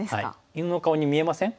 犬の顔に見えません？